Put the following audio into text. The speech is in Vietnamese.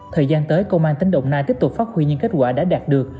thời gian tới công an tỉnh đồng nai tiếp tục phát huy những kết quả đã đạt được